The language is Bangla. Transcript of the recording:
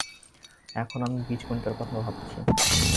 এখন আমি বীজগণিতের কথা ভাবছি।